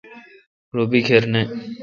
رو بیکھر نہ۔